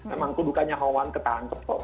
emang kubukanya hawan ketangkep kok